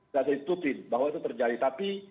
saya sebutin bahwa itu terjadi tapi